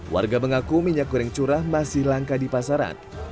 warga mengaku minyak goreng curah masih langka di pasaran